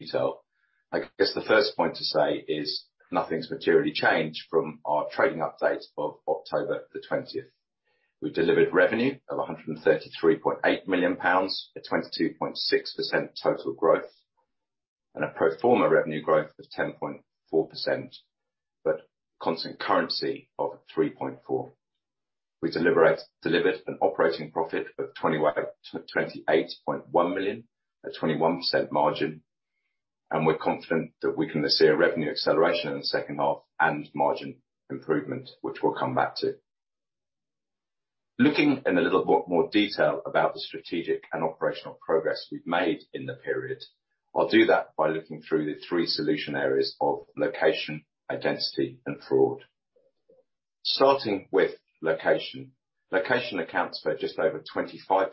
I guess the first point to say is nothing's materially changed from our trading update of October 20th. We've delivered revenue of 133.8 million pounds at 22.6% total growth and a pro forma revenue growth of 10.4%, but constant currency of 3.4%. We delivered an operating profit of 28.1 million at 21% margin, and we're confident that we can see a revenue acceleration in the second half and margin improvement, which we'll come back to. Looking in a little more detail about the strategic and operational progress we've made in the period, I'll do that by looking through the three solution areas of location, identity, and fraud. Starting with location. Location accounts for just over 25% of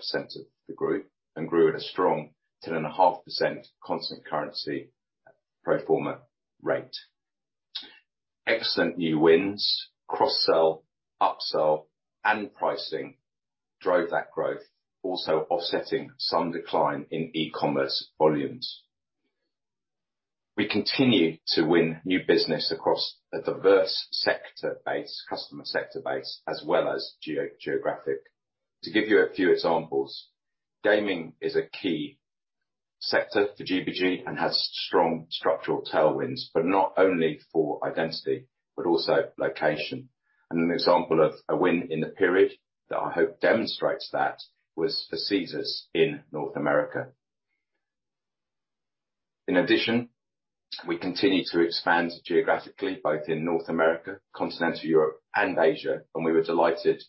the group and grew at a strong 10.5% constant currency pro forma rate. Excellent new wins, cross-sell, upsell, and pricing drove that growth, also offsetting some decline in e-commerce volumes. We continue to win new business across a diverse customer sector base as well as geo-geographic. To give you a few examples, gaming is a key sector for GBG and has strong structural tailwinds, but not only for identity, but also location. An example of a win in the period that I hope demonstrates that was for Caesars in North America. In addition, we continue to expand geographically, both in North America, Continental Europe, and Asia, and we were delighted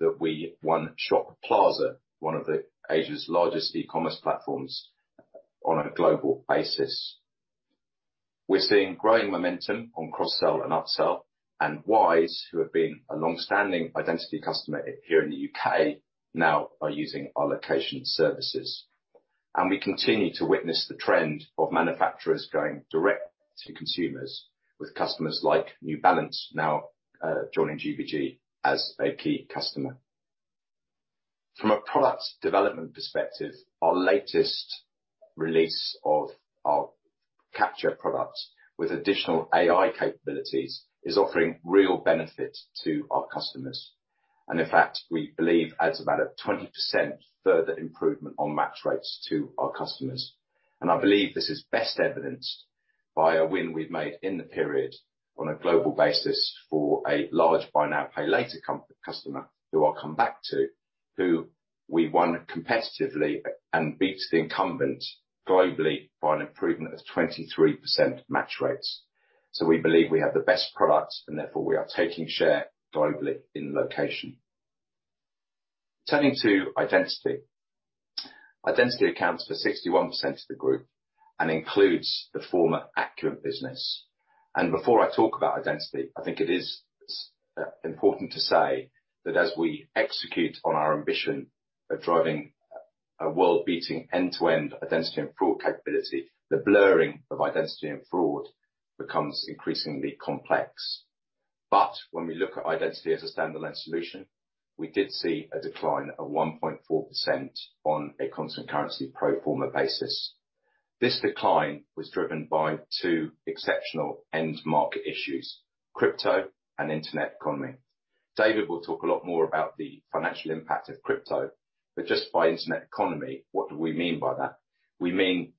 that we won Shopee, one of Asia's largest e-commerce platforms on a global basis. We're seeing growing momentum on cross-sell and upsell. Wise, who have been a long-standing identity customer here in the U.K., now are using our location services. We continue to witness the trend of manufacturers going direct to consumers with customers like New Balance now joining GBG as a key customer. From a product development perspective, our latest release of our capture products with additional AI capabilities is offering real benefit to our customers. In fact, we believe adds about a 20% further improvement on match rates to our customers. I believe this is best evidenced by a win we've made in the period on a global basis for a large buy now, pay later customer, who I'll come back to, who we won competitively and beat the incumbent globally by an improvement of 23% match rates. We believe we have the best products and therefore we are taking share globally in location. Turning to identity. Identity accounts for 61% of the group and includes the former Acuant business. Before I talk about identity, I think it is important to say that as we execute on our ambition of driving a world-beating end-to-end identity and fraud capability, the blurring of identity and fraud becomes increasingly complex. When we look at identity as a standalone solution, we did see a decline of 1.4% on a constant currency pro forma basis. This decline was driven by two exceptional end market issues, crypto and internet economy. David will talk a lot more about the financial impact of crypto, but just by internet economy, what do we mean by that? We mean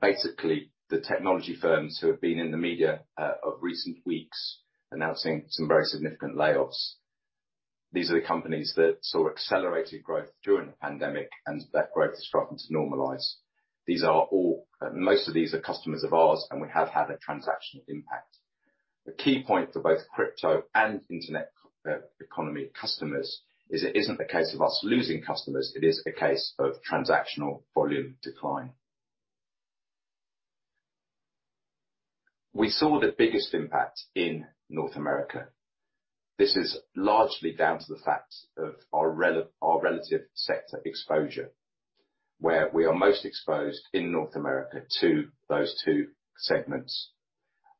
basically the technology firms who have been in the media of recent weeks announcing some very significant layoffs. These are the companies that saw accelerated growth during the pandemic, and that growth is starting to normalize. Most of these are customers of ours, and we have had a transactional impact. The key point for both crypto and internet economy customers is it isn't a case of us losing customers, it is a case of transactional volume decline. We saw the biggest impact in North America. This is largely down to the fact of our relative sector exposure, where we are most exposed in North America to those two segments.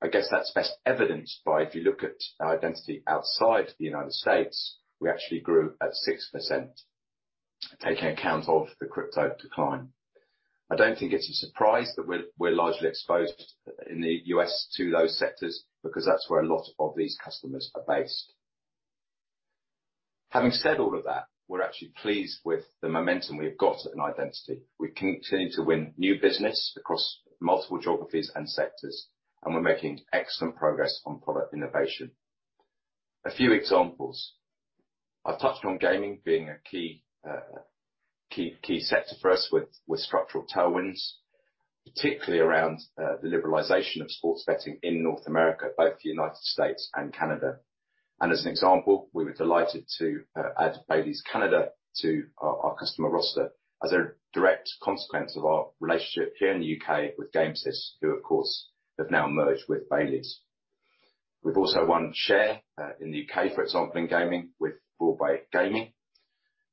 I guess that's best evidenced by if you look at our identity outside the United States, we actually grew at 6% taking account of the crypto decline. I don't think it's a surprise that we're largely exposed in the U.S. to those sectors because that's where a lot of these customers are based. Having said all of that, we're actually pleased with the momentum we have got in identity. We continue to win new business across multiple geographies and sectors. We're making excellent progress on product innovation. A few examples. I've touched on gaming being a key sector for us with structural tailwinds, particularly around the liberalization of sports betting in North America, both the United States and Canada. As an example, we were delighted to add Beldies Canada to our customer roster as a direct consequence of our relationship here in the U.K. with Gamesys, who of course have now merged with Beldies. We've also won Share in the UK, for example, in gaming with Broadway Gaming,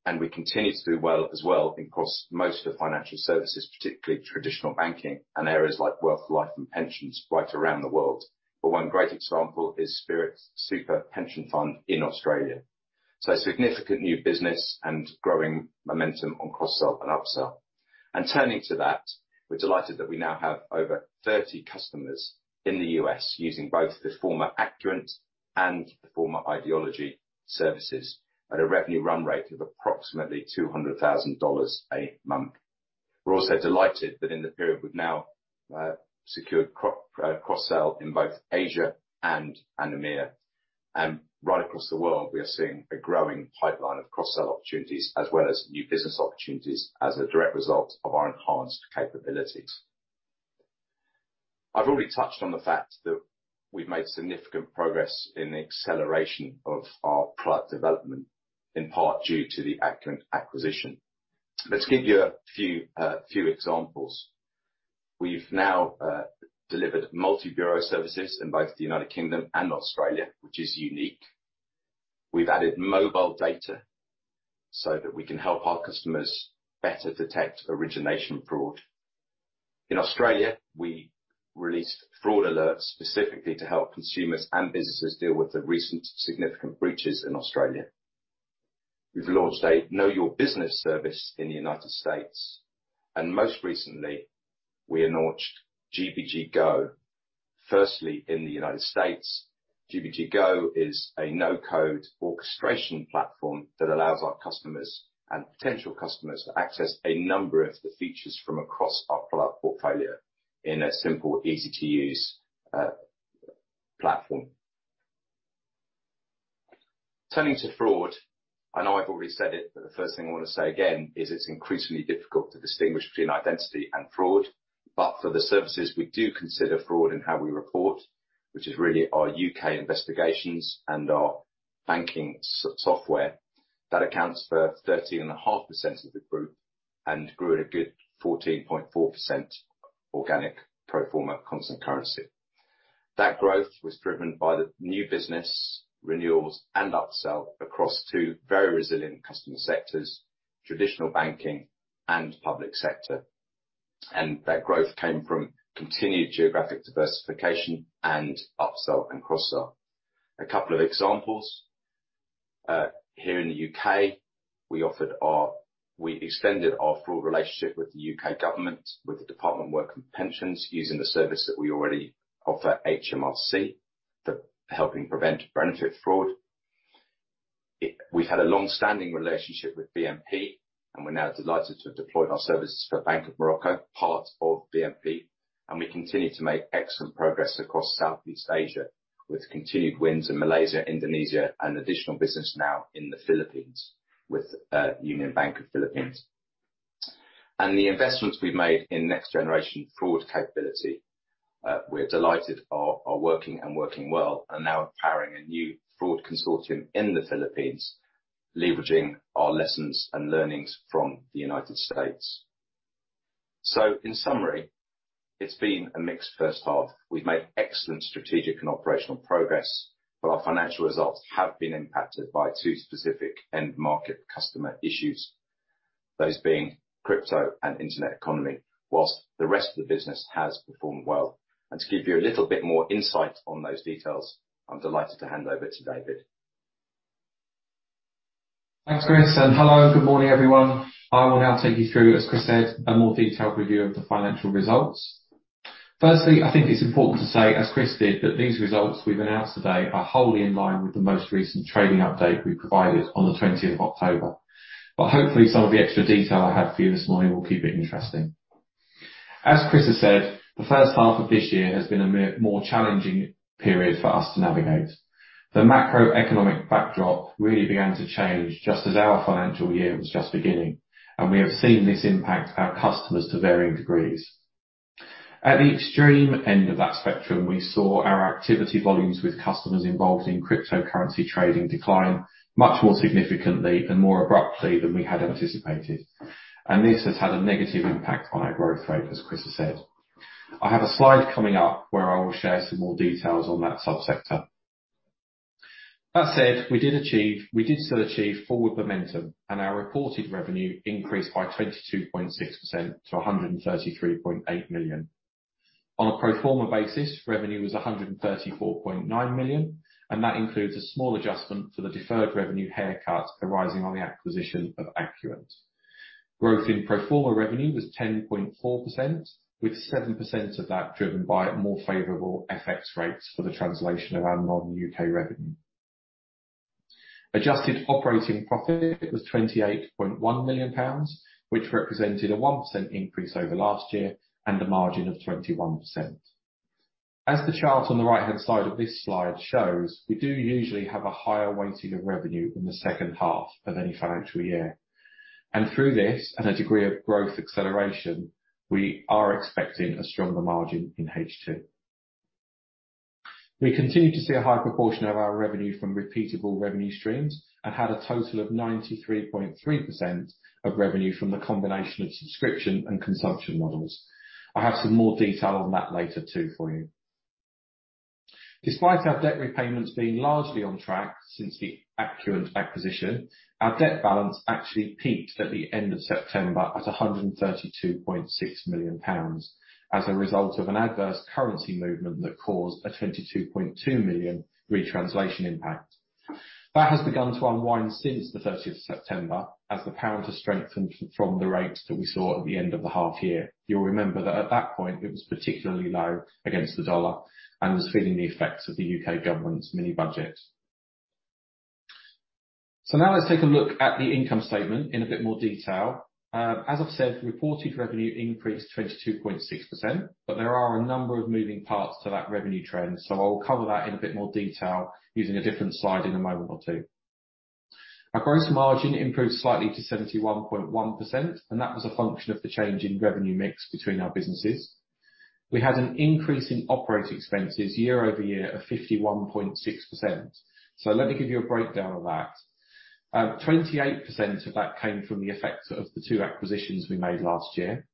and we continue to do well as well across most of the financial services, particularly traditional banking and areas like wealth, life, and pensions right around the world. One great example is Spirit Super Pension Fund in Australia. Significant new business and growing momentum on cross-sell and upsell. Turning to that, we're delighted that we now have over 30 customers in the US using both the former Acuant and the former IDology services at a revenue run rate of approximately $200,000 a month. We're also delighted that in the period, we've now secured cross-sell in both Asia and AMER. Right across the world, we are seeing a growing pipeline of cross-sell opportunities as well as new business opportunities as a direct result of our enhanced capabilities. I've already touched on the fact that we've made significant progress in the acceleration of our product development, in part due to the Acuant acquisition. Let's give you a few examples. We've now delivered Multi Bureau services in both the United Kingdom and Australia, which is unique. We've added mobile data so that we can help our customers better detect origination fraud. In Australia, we released fraud alerts specifically to help consumers and businesses deal with the recent significant breaches in Australia. We've launched a Know Your Business service in the United States and most recently, we launched GBG Go, firstly in the United States. GBG Go is a no-code orchestration platform that allows our customers and potential customers to access a number of the features from across our product portfolio in a simple, easy-to-use platform. Turning to fraud, I know I've already said it, but the first thing I wanna say again is it's increasingly difficult to distinguish between identity and fraud. For the services we do consider fraud in how we report, which is really our U.K. investigations and our banking software, that accounts for 13.5% of the group and grew at a good 14.4% organic pro forma constant currency. That growth was driven by the new business renewals and upsell across two very resilient customer sectors, traditional banking and public sector. That growth came from continued geographic diversification and upsell and cross-sell. A couple of examples. Here in the U.K., we extended our fraud relationship with the U.K. government, with the Department for Work and Pensions, using the service that we already offer HMRC, the helping prevent benefit fraud. We've had a long-standing relationship with BCP, we're now delighted to have deployed our services for Bank of Morocco, part of BCP, we continue to make excellent progress across Southeast Asia with continued wins in Malaysia, Indonesia and additional business now in the Philippines with Union Bank of the Philippines. The investments we've made in next generation fraud capability, we're delighted are working and working well and now powering a new fraud consortium in the Philippines, leveraging our lessons and learnings from the United States. In summary, it's been a mixed first half. We've made excellent strategic and operational progress, but our financial results have been impacted by two specific end market customer issues, those being crypto and internet economy, while the rest of the business has performed well. To give you a little bit more insight on those details, I'm delighted to hand over to David. Thanks, Chris. Hello. Good morning, everyone. I will now take you through, as Chris said, a more detailed review of the financial results. Firstly, I think it's important to say, as Chris did, that these results we've announced today are wholly in line with the most recent trading update we provided on the 20th of October. Hopefully some of the extra detail I have for you this morning will keep it interesting. As Chris has said, the first half of this year has been a more challenging period for us to navigate. The macroeconomic backdrop really began to change just as our financial year was just beginning. We have seen this impact our customers to varying degrees. At the extreme end of that spectrum, we saw our activity volumes with customers involved in cryptocurrency trading decline much more significantly and more abruptly than we had anticipated. This has had a negative impact on our growth rate, as Chris has said. I have a slide coming up where I will share some more details on that subsector. That said, we did still achieve forward momentum, and our reported revenue increased by 22.6% to 133.8 million. On a pro forma basis, revenue was 134.9 million, and that includes a small adjustment for the deferred revenue haircut arising on the acquisition of Acuant. Growth in pro forma revenue was 10.4%, with 7% of that driven by more favorable FX rates for the translation of our non-UK revenue. Adjusted operating profit was 28.1 million pounds, which represented a 1% increase over last year and a margin of 21%. As the chart on the right-hand side of this slide shows, we do usually have a higher weighting of revenue in the second half of any financial year. Through this, at a degree of growth acceleration, we are expecting a stronger margin in H2. We continue to see a high proportion of our revenue from repeatable revenue streams and had a total of 93.3% of revenue from the combination of subscription and consumption models. I have some more detail on that later too for you. Despite our debt repayments being largely on track since the Acuant acquisition, our debt balance actually peaked at the end of September at 132.6 million pounds as a result of an adverse currency movement that caused a 22.2 million retranslation impact. That has begun to unwind since the 30th of September as the pound has strengthened from the rates that we saw at the end of the half year. You'll remember that at that point, it was particularly low against the dollar and was feeling the effects of the UK government's mini-budget. Now let's take a look at the income statement in a bit more detail. As I've said, reported revenue increased 22.6%, there are a number of moving parts to that revenue trend, so I'll cover that in a bit more detail using a different slide in a moment or two. Our gross margin improved slightly to 71.1%, and that was a function of the change in revenue mix between our businesses. We had an increase in operating expenses year-over-year of 51.6%. Let me give you a breakdown of that. 28% of that came from the effect of the two acquisitions we made last year.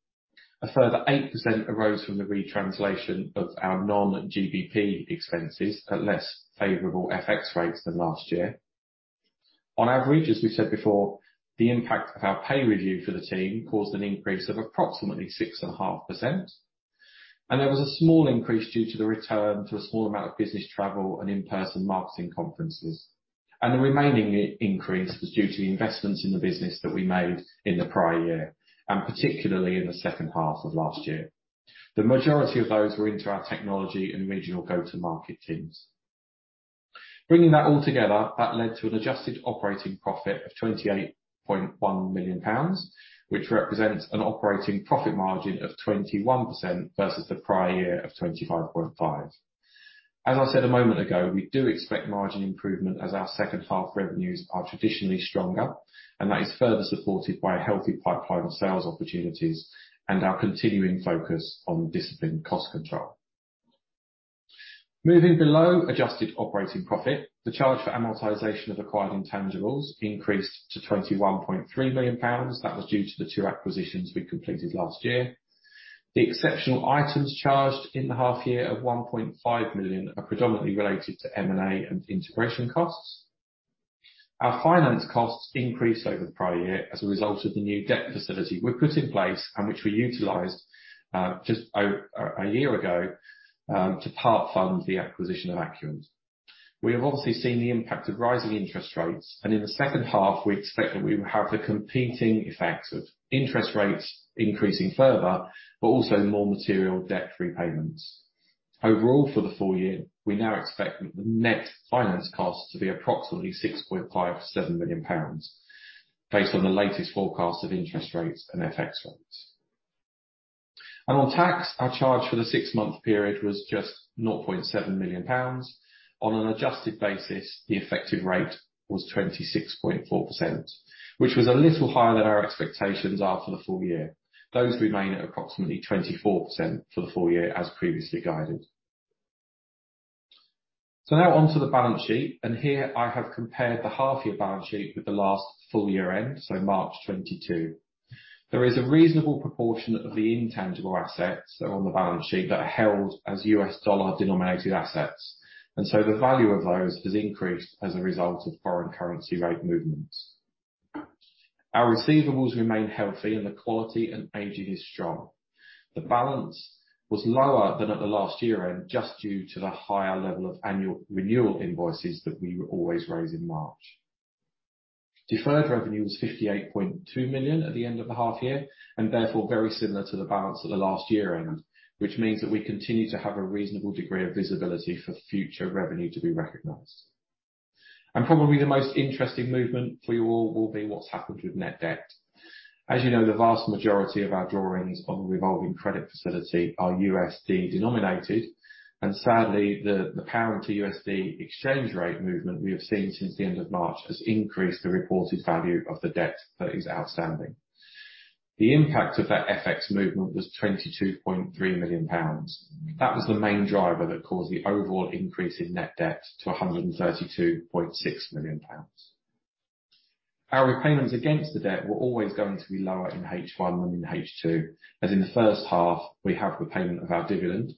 A further 8% arose from the retranslation of our non-GBP expenses at less favorable FX rates than last year. On average, as we said before, the impact of our pay review for the team caused an increase of approximately 6.5%. There was a small increase due to the return to a small amount of business travel and in-person marketing conferences. The remaining increase was due to the investments in the business that we made in the prior year, and particularly in the second half of last year. The majority of those were into our technology and regional go-to-market teams. Bringing that all together, that led to an adjusted operating profit of 28.1 million pounds, which represents an operating profit margin of 21% versus the prior year of 25.5%. As I said a moment ago, we do expect margin improvement as our second half revenues are traditionally stronger. That is further supported by a healthy pipeline of sales opportunities and our continuing focus on disciplined cost control. Moving below adjusted operating profit, the charge for amortization of acquired intangibles increased to 21.3 million pounds. That was due to the two acquisitions we completed last year. The exceptional items charged in the half year of 1.5 million are predominantly related to M&A and integration costs. Our finance costs increased over the prior year as a result of the new debt facility we put in place and which we utilized just a year ago to part fund the acquisition of Acuant. We have obviously seen the impact of rising interest rates, and in the second half, we expect that we will have the competing effects of interest rates increasing further, but also more material debt repayments. Overall, for the full year, we now expect the net finance costs to be approximately 6.57 million pounds, based on the latest forecast of interest rates and FX rates. On tax, our charge for the six-month period was just 0.7 million pounds. On an adjusted basis, the effective rate was 26.4%, which was a little higher than our expectations are for the full year. Those remain at approximately 24% for the full year as previously guided. Now on to the balance sheet, and here I have compared the half year balance sheet with the last full year end, March 2022. There is a reasonable proportion of the intangible assets that are on the balance sheet that are held as US dollar denominated assets. The value of those has increased as a result of foreign currency rate movements. Our receivables remain healthy and the quality and aging is strong. The balance was lower than at the last year end, just due to the higher level of annual renewal invoices that we always raise in March. Deferred revenue was 58.2 million at the end of the half year, therefore very similar to the balance at the last year end, which means that we continue to have a reasonable degree of visibility for future revenue to be recognized. Probably the most interesting movement for you all will be what's happened with net debt. As you know, the vast majority of our drawings on the revolving credit facility are USD denominated, and sadly, the pound to USD exchange rate movement we have seen since the end of March has increased the reported value of the debt that is outstanding. The impact of that FX movement was 22.3 million pounds. That was the main driver that caused the overall increase in net debt to 132.6 million pounds. Our repayments against the debt were always going to be lower in H1 than in H2, as in the first half we have repayment of our dividend.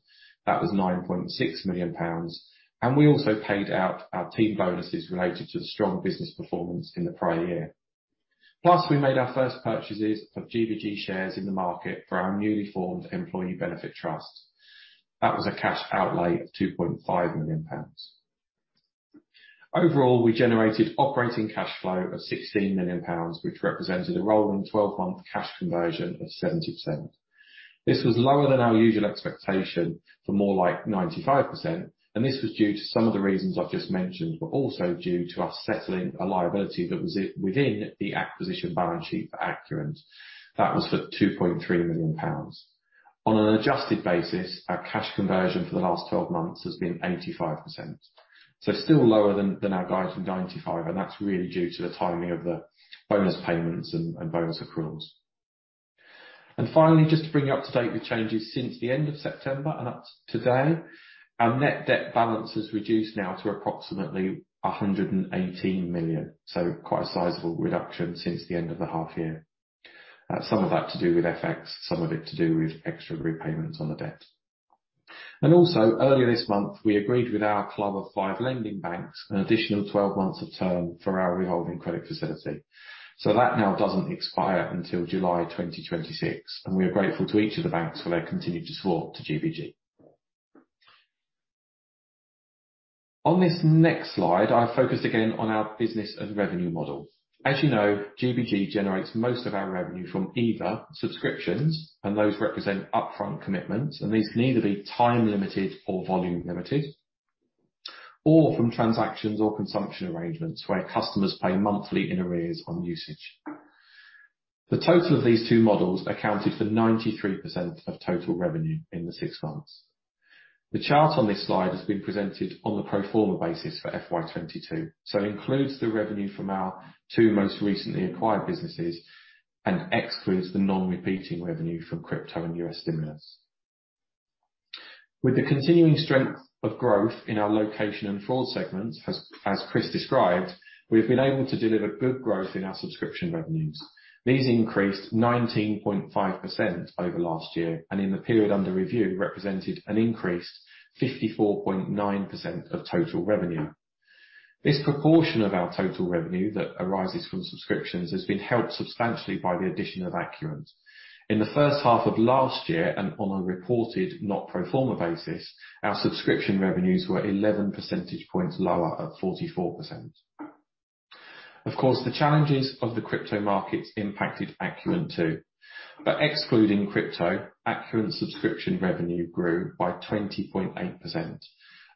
That was 9.6 million pounds, and we also paid out our team bonuses related to the strong business performance in the prior year. We made our first purchases of GBG shares in the market for our newly formed employee benefit trust. That was a cash outlay of 2.5 million pounds. Overall, we generated operating cash flow of 16 million pounds, which represented a rolling twelve-month cash conversion of 70%. This was lower than our usual expectation for more like 95%, and this was due to some of the reasons I've just mentioned, but also due to us settling a liability that was within the acquisition balance sheet for Acuant. That was for 2.3 million pounds. On an adjusted basis, our cash conversion for the last twelve months has been 85%. Still lower than our guidance of 95%, and that's really due to the timing of the bonus payments and bonus accruals. Finally, just to bring you up to date with changes since the end of September and up to today, our net debt balance has reduced now to approximately 118 million. Quite a sizable reduction since the end of the half year. Some of that to do with FX, some of it to do with extra repayments on the debt. Also, earlier this month, we agreed with our club of five lending banks an additional 12 months of term for our revolving credit facility. That now doesn't expire until July 2026, and we are grateful to each of the banks for their continued support to GBG. On this next slide, I focus again on our business and revenue model. As you know, GBG generates most of our revenue from either subscriptions, and those represent upfront commitments, and these can either be time-limited or volume-limited, or from transactions or consumption arrangements where customers pay monthly in arrears on usage. The total of these two models accounted for 93% of total revenue in the six months. The chart on this slide has been presented on the pro forma basis for FY 2022, so includes the revenue from our two most recently acquired businesses and excludes the non-repeating revenue from crypto and US stimulus. With the continuing strength of growth in our location and fraud segments, as Chris described, we've been able to deliver good growth in our subscription revenues. These increased 19.5% over last year, and in the period under review, represented an increased 54.9% of total revenue. This proportion of our total revenue that arises from subscriptions has been helped substantially by the addition of Acuant. In the first half of last year, on a reported not pro forma basis, our subscription revenues were 11 percentage points lower at 44%. Of course, the challenges of the crypto markets impacted Acuant too. Excluding crypto, Acuant subscription revenue grew by 20.8%,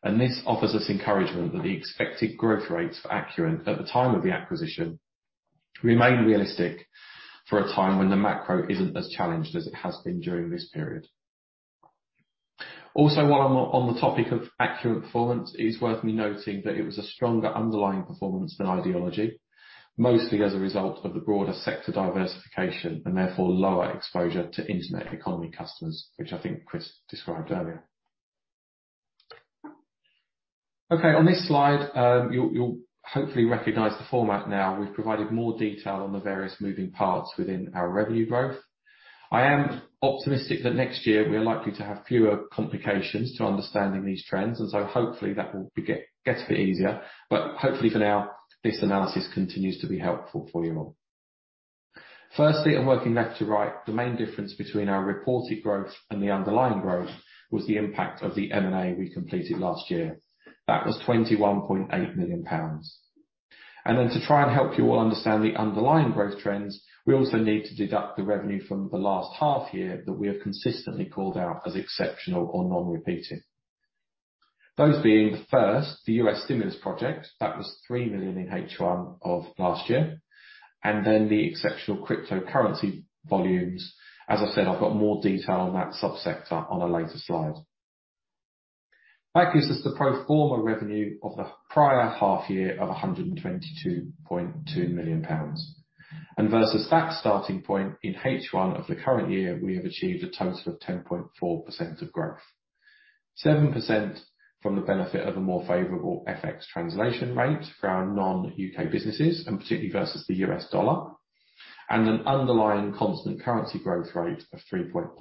and this offers us encouragement that the expected growth rates for Acuant at the time of the acquisition remain realistic for a time when the macro isn't as challenged as it has been during this period. While I'm on the topic of Acuant performance, it is worth me noting that it was a stronger underlying performance than IDology, mostly as a result of the broader sector diversification and therefore lower exposure to internet economy customers, which I think Chris described earlier. On this slide, you'll hopefully recognize the format now. We've provided more detail on the various moving parts within our revenue growth. I am optimistic that next year we are likely to have fewer complications to understanding these trends, hopefully that will get a bit easier. Hopefully for now, this analysis continues to be helpful for you all. Firstly, working left to right, the main difference between our reported growth and the underlying growth was the impact of the M&A we completed last year. That was 21.8 million pounds. Then to try and help you all understand the underlying growth trends, we also need to deduct the revenue from the last half year that we have consistently called out as exceptional or non-repeating. Those being, first, the US stimulus project, that was 3 million in H1 of last year, and then the exceptional cryptocurrency volumes. As I said, I've got more detail on that subsector on a later slide. That gives us the pro forma revenue of the prior half year of 122.2 million pounds. Versus that starting point in H1 of the current year, we have achieved a total of 10.4% of growth. 7% from the benefit of a more favorable FX translation rate for our non-UK businesses, and particularly versus the US dollar, and an underlying constant currency growth rate of 3.4%.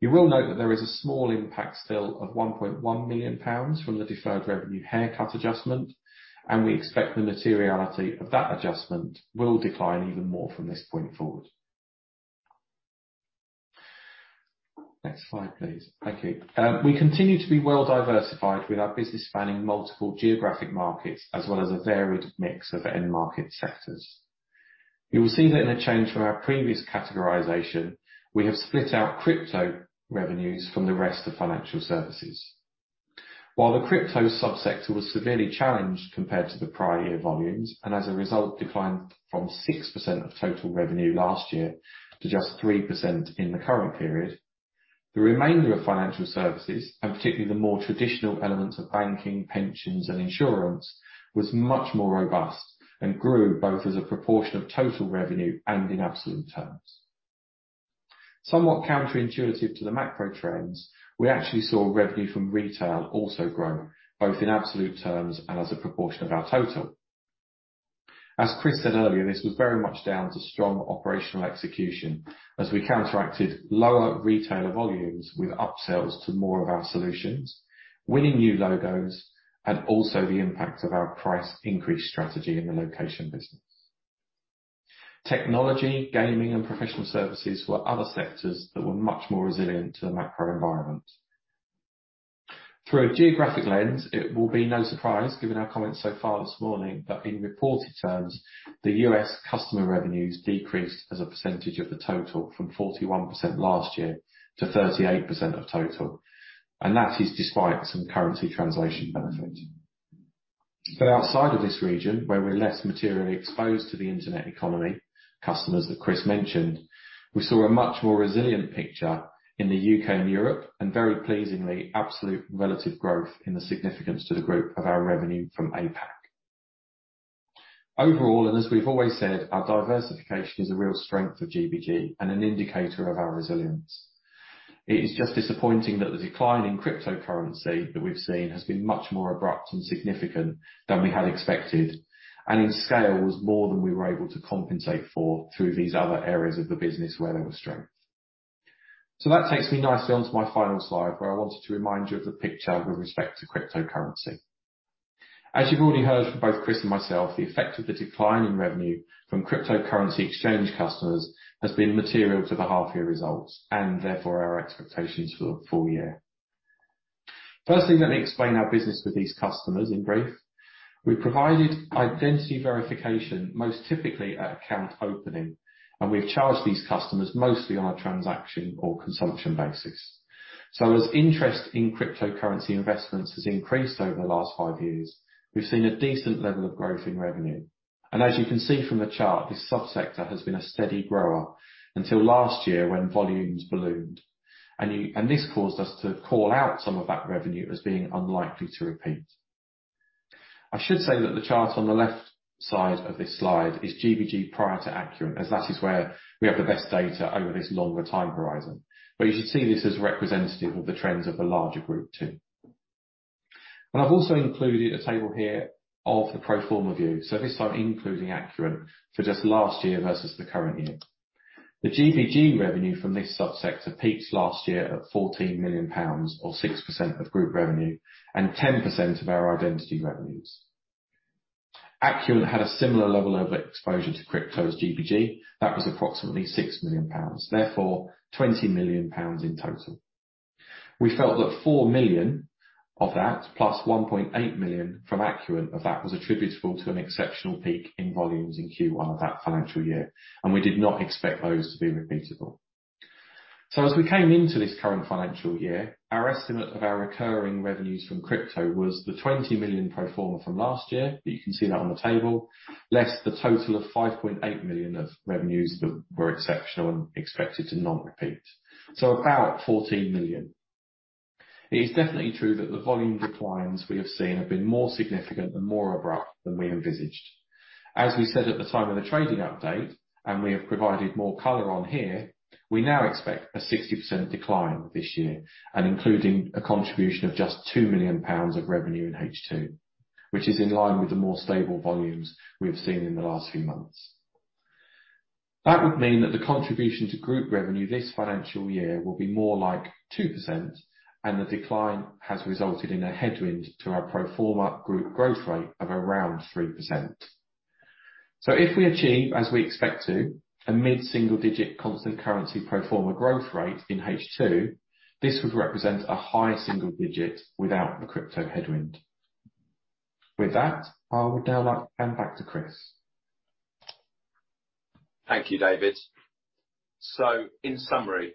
You will note that there is a small impact still of 1.1 million pounds from the deferred revenue haircut adjustment. We expect the materiality of that adjustment will decline even more from this point forward. Next slide, please. Thank you. We continue to be well-diversified with our business spanning multiple geographic markets as well as a varied mix of end market sectors. You will see that in a change from our previous categorization, we have split out crypto revenues from the rest of financial services. While the crypto subsector was severely challenged compared to the prior year volumes, and as a result declined from 6% of total revenue last year to just 3% in the current period, the remainder of financial services, and particularly the more traditional elements of banking, pensions, and insurance, was much more robust and grew both as a proportion of total revenue and in absolute terms. Somewhat counterintuitive to the macro trends, we actually saw revenue from retail also grow, both in absolute terms and as a proportion of our total. As Chris said earlier, this was very much down to strong operational execution as we counteracted lower retailer volumes with upsells to more of our solutions, winning new logos, and also the impact of our price increase strategy in the location business. Technology, gaming, and professional services were other sectors that were much more resilient to the macro environment. Through a geographic lens, it will be no surprise, given our comments so far this morning, that in reported terms, the U.S. customer revenues decreased as a percentage of the total from 41% last year to 38% of total, and that is despite some currency translation benefit. Outside of this region, where we're less materially exposed to the internet economy, customers that Chris mentioned, we saw a much more resilient picture in the U.K. and Europe, and very pleasingly, absolute relative growth in the significance to the group of our revenue from APAC. As we've always said, our diversification is a real strength for GBG and an indicator of our resilience. It is just disappointing that the decline in cryptocurrency that we've seen has been much more abrupt and significant than we had expected, in scale was more than we were able to compensate for through these other areas of the business where there was strength. That takes me nicely onto my final slide, where I wanted to remind you of the picture with respect to cryptocurrency. As you've already heard from both Chris and myself, the effect of the decline in revenue from cryptocurrency exchange customers has been material to the half year results and therefore our expectations for the full year. Firstly, let me explain our business with these customers in brief. We provided identity verification, most typically at account opening, we've charged these customers mostly on a transaction or consumption basis. As interest in cryptocurrency investments has increased over the last five years, we've seen a decent level of growth in revenue. As you can see from the chart, this sub-sector has been a steady grower until last year when volumes ballooned. This caused us to call out some of that revenue as being unlikely to repeat. I should say that the chart on the left side of this slide is GBG prior to Acuant, as that is where we have the best data over this longer time horizon. You should see this as representative of the trends of the larger group, too. I've also included a table here of the pro forma view, so this time including Acuant for just last year versus the current year. The GBG revenue from this sub-sector peaked last year at 14 million pounds or 6% of group revenue and 10% of our identity revenues. Acuant had a similar level of exposure to crypto as GBG. That was approximately 6 million pounds, therefore 20 million pounds in total. We felt that 4 million of that, plus 1.8 million from Acuant of that, was attributable to an exceptional peak in volumes in Q1 of that financial year, and we did not expect those to be repeatable. As we came into this current financial year, our estimate of our recurring revenues from crypto was the 20 million pro forma from last year, but you can see that on the table, less the total of 5.8 million of revenues that were exceptional and expected to not repeat. About 14 million. It is definitely true that the volume declines we have seen have been more significant and more abrupt than we envisaged. As we said at the time of the trading update, and we have provided more color on here, we now expect a 60% decline this year and including a contribution of just 2 million pounds of revenue in H2, which is in line with the more stable volumes we have seen in the last few months. That would mean that the contribution to group revenue this financial year will be more like 2%, and the decline has resulted in a headwind to our pro forma group growth rate of around 3%. If we achieve, as we expect to, a mid-single digit constant currency pro forma growth rate in H2, this would represent a high single digit without the crypto headwind. With that, I will now hand back to Chris. Thank you, David. In summary,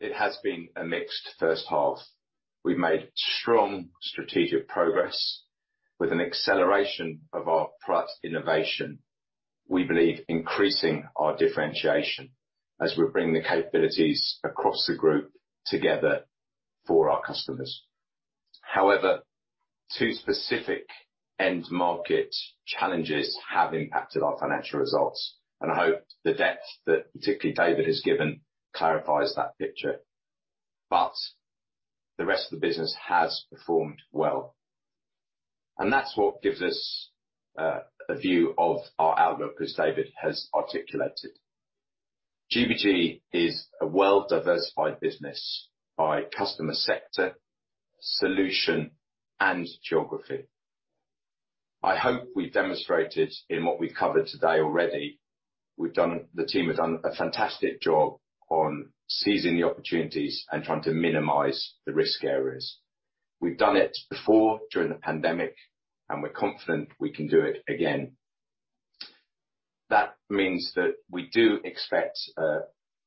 it has been a mixed first half. We've made strong strategic progress with an acceleration of our product innovation, we believe increasing our differentiation as we bring the capabilities across the group together for our customers. Two specific end market challenges have impacted our financial results, and I hope the depth that particularly David has given clarifies that picture. The rest of the business has performed well, and that's what gives us, a view of our outlook as David has articulated. GBG is a well-diversified business by customer sector, solution, and geography. I hope we've demonstrated in what we've covered today already, the team has done a fantastic job on seizing the opportunities and trying to minimize the risk areas. We've done it before, during the pandemic, and we're confident we can do it again. That means that we do expect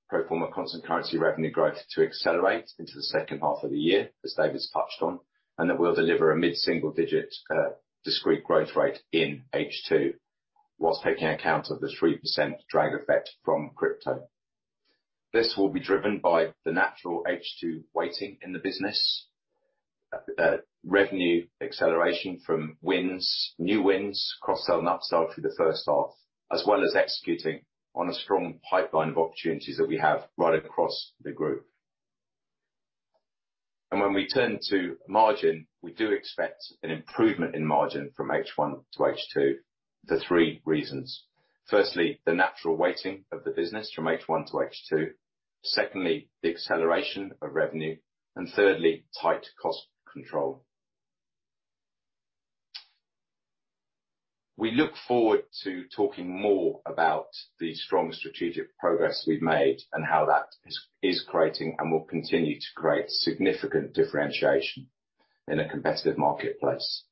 pro forma constant currency revenue growth to accelerate into the second half of the year, as David's touched on, and that we'll deliver a mid-single digit discrete growth rate in H2 whilst taking account of the 3% drag effect from crypto. This will be driven by the natural H2 weighting in the business, revenue acceleration from wins, new wins, cross-sell, and upsell through the first half, as well as executing on a strong pipeline of opportunities that we have right across the group. When we turn to margin, we do expect an improvement in margin from H1 to H2 for three reasons. Firstly, the natural weighting of the business from H1 to H2. Secondly, the acceleration of revenue. Thirdly, tight cost control. We look forward to talking more about the strong strategic progress we've made and how that is creating and will continue to create significant differentiation in a competitive marketplace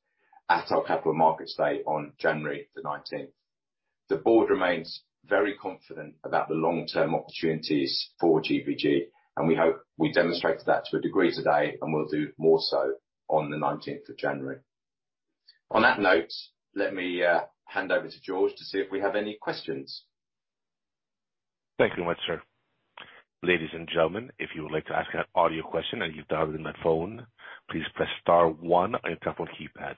at our capital markets day on January the 19th. The board remains very confident about the long-term opportunities for GBG, and we hope we demonstrated that to a degree today, and we'll do more so on the 19th of January. On that note, let me hand over to George to see if we have any questions. Thank you much, sir. Ladies and gentlemen, if you would like to ask an audio question and you dialed in by phone, please press star one on your telephone keypad.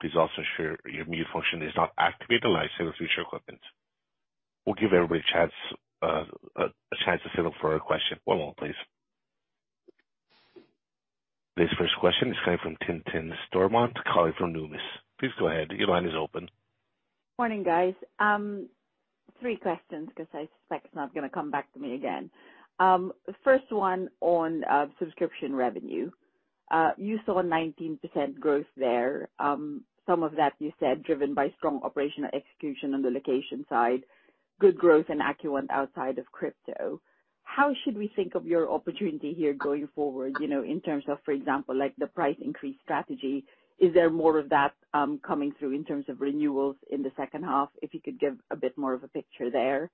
Please also ensure your mute function is not activated unless you wish to equipment. We'll give everybody a chance to fill up for a question. One moment, please. This first question is coming from Tintin Stormont, calling from Numis. Please go ahead. Your line is open. Morning, guys. Three questions, 'cause I suspect it's not gonna come back to me again. First one on subscription revenue. You saw 19% growth there. Some of that you said driven by strong operational execution on the location side, good growth in Acuant outside of crypto. How should we think of your opportunity here going forward, you know, in terms of, for example, like the price increase strategy? Is there more of that coming through in terms of renewals in the second half? If you could give a bit more of a picture there.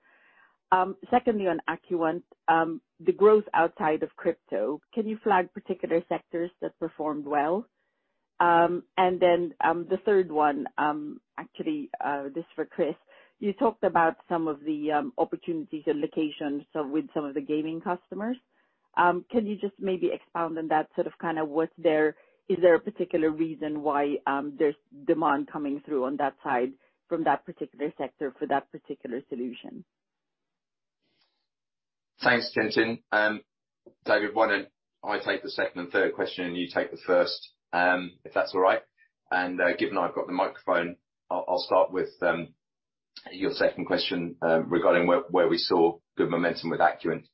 Secondly, on Acuant, the growth outside of crypto, can you flag particular sectors that performed well? The third one, actually, this is for Chris. You talked about some of the opportunities in location, so with some of the gaming customers. Can you just maybe expound on that? Is there a particular reason why there's demand coming through on that side from that particular sector for that particular solution? Thanks, Tintin Stormont. David, why don't I take the second and third question and you take the first, if that's all right? Given I've got the microphone, I'll start with your second question regarding where we saw good momentum with Acuant.